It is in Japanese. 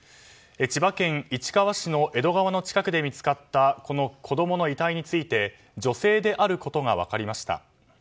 千葉県市川市の江戸川の近くで見つかったこの子供の遺体について女性であることが分かりました。